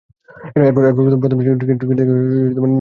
এরপর প্রথম-শ্রেণীর ক্রিকেট থেকে নিজেকে গুটিয়ে নেন।